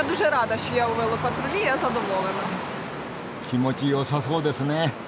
気持ちよさそうですね。